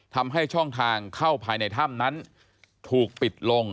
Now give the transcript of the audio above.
ทำให้ช่องทางเข้าภายในถ้ำนั้นถูกปิดลง